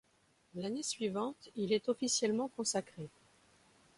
L'année suivante, il est officiellement consacré.